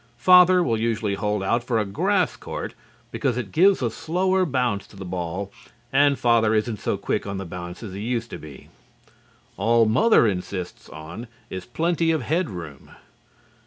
Father will usually hold out for a grass court because it gives a slower bounce to the ball and Father isn't so quick on the bounce as he used to be. All Mother insists on is plenty of headroom.